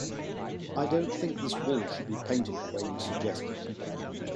I don't think this wall should be painted the way you suggested.